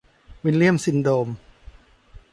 วิลเลี่ยมซินโดม